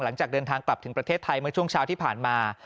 หลังจากเดินทางกลับถึงประเทศไทยเมื่อช่วงเช้าที่ผ่านมา